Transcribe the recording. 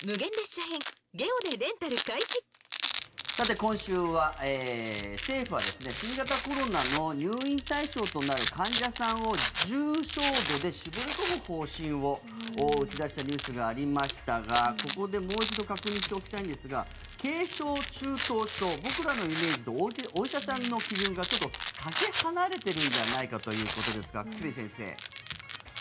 今週は政府は新型コロナの入院対象となる患者さんを重症度で絞り込む方針を打ち出したニュースがありましたがここでもう一度確認しておきたいんですが軽症、中等症、僕らのイメージとお医者さんの基準がかけ離れているんじゃないかということですが久住先生。